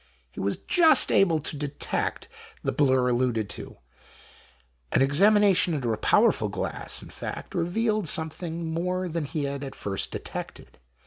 He was just able to detect the blur alluded to; an examination GHOST TALES. under a powerful glass, in fact revealed some thing more than he had at first detected.